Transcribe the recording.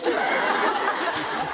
ハハハハ！